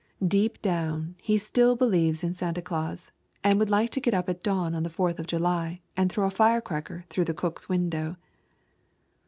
Deep down he still believes in Santa Claus, and would like to get up at dawn on the Fourth of July and throw a firecracker through the cook's window.